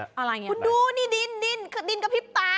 คุณดูนี่ดินกระพริบตา